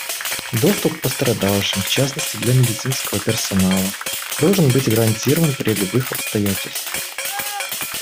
Доступ к пострадавшим, в частности для медицинского персонала, должен быть гарантирован при любых обстоятельствах.